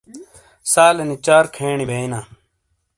سالینی چار کھینی بیئنا۔